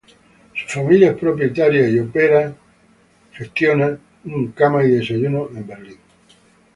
Su familia es propietaria y opera un bed and breakfast en Berlín.